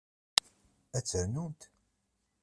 Ad ternumt?